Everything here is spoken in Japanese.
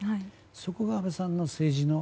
そこが安倍さんの政治の。